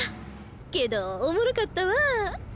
けどおもろかったわ。